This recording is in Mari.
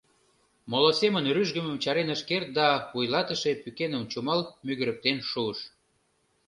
Моло семын рӱжгымым чарен ыш керт да вуйлатыше пӱкеным чумал мӱгырыктен шуыш.